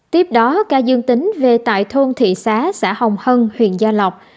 tiếp đó ca dương tính về tại thôn thị xá xã hồng hân huyện gia lộc